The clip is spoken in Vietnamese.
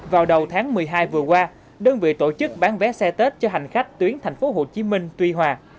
vào đầu tháng một mươi hai vừa qua đơn vị tổ chức bán vé xe tết cho hành khách tuyến tp hcm tuy hòa